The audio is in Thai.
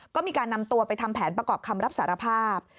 ก็มีการนำตัวไปทำแผนประกอบคำรับสารภาพ